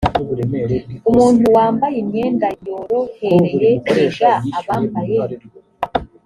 umuntu wambaye imyenda yorohereye erega abambaye